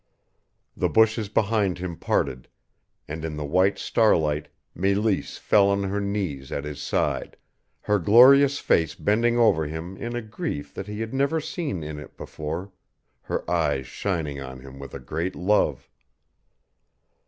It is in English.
The bushes behind him parted, and in the white starlight Meleese fell on her knees at his side, her glorious face bending over him in a grief that he had never seen in it before, her eyes shining on him with a great love.